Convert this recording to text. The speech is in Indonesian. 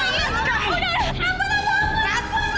ambil aku aku mau